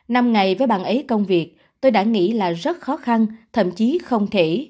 năm ngày với bạn ấy công việc tôi đã nghĩ là rất khó khăn thậm chí không thể